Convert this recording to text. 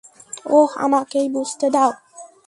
ওহ, আমাকেই বুঝতে দাও।